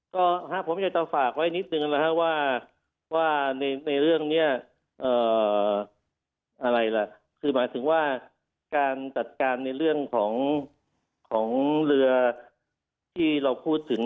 ก็ครับผมจะต้องฝากไว้นิดนึงว่าในเรื่องนี้หมายถึงว่าการจัดการในเรื่องของเรือที่เราพูดถึง